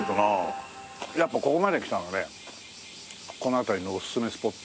やっぱここまで来たのでこの辺りのおすすめスポット。